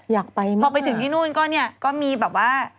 อยากไปมากพอไปถึงที่นู่นก็เนี่ยก็มีแบบว่า